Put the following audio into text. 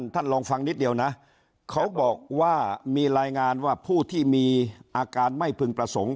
ท่านลองฟังนิดเดียวนะเขาบอกว่ามีรายงานว่าผู้ที่มีอาการไม่พึงประสงค์